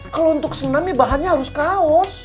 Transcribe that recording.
kalau untuk senam nih bahannya harus kaos